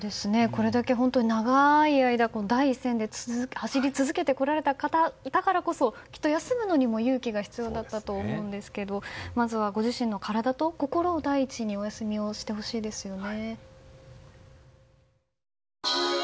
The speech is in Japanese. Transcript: これだけ本当に長い間第一線で走り続けてこられた方だからこそきっと休むのにも勇気が必要だったと思うんですけどまずはご自身の体と心を第一にお休みをしてほしいですね。